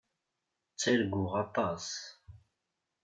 Ttarguɣ aṭas.